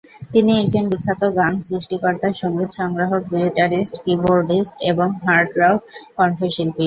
তিনি একজন বিখ্যাত গান সৃষ্টিকর্তা, সঙ্গীত সংগ্রাহক, গিটারিস্ট, কি-বোর্ডিস্ট এবং হার্ড রক কন্ঠশিল্পী।